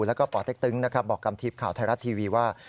แล้วก็ป่อเต๊กตึ๊งบอกกับกรรมทีพข่าวไทยรัตน์ทีวีว่า